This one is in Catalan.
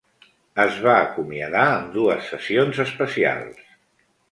Es va acomiadar amb dues sessions especials.